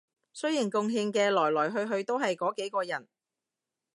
雖然貢獻嘅來來去去都係嗰幾個人